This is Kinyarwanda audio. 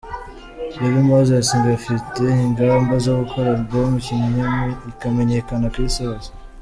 Baby Moses ngo afite ingamba zo gukora Album ikamenyekana ku isi hose.